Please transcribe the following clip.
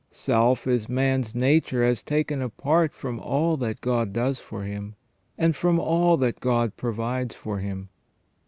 Self is man's nature as taken apart from all that God does for him, and from all that God provides for him.